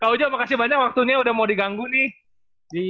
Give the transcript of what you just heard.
kak uja makasih banyak waktunya udah mau diganggu nih